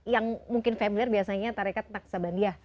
yang mungkin familiar biasanya tarikat naksabandia